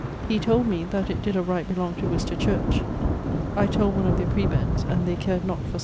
He told me that it did of right belong to Worcester Church. I told one of their prebends, and they cared not for such things.